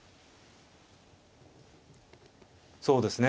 そうですね。